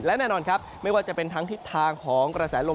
และแน่นอนครับไม่ว่าจะเป็นทั้งทิศทางของกระแสลม